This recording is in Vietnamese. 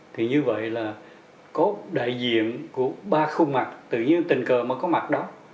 thì như vậy là có đại diện của ba khu mặt tự nhiên tình cờ mà có mặt đó